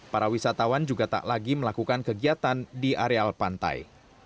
para wisatawan juga tak lagi melakukan kegiatan di areal pantai